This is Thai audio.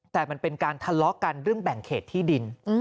แต่มันเป็นการทะเลาะกันเรื่องแบ่งเขตที่ดิน